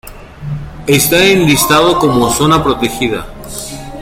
Está enlistado como zona protegida.